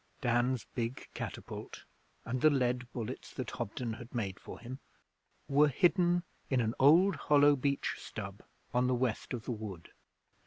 Dan's big catapult and the lead bullets that Hobden had made for him were hidden in an old hollow beech stub on the west of the wood.